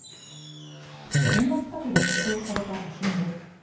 現場近くで撮影された写真です。